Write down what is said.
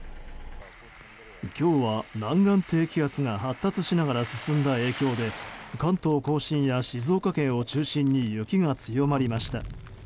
今日は南岸低気圧が発達しながら進んだ影響で関東・甲信や静岡県を中心に雪が強まりました。